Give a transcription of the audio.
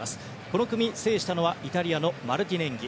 この組を制したのはイタリアのマルティネンギ。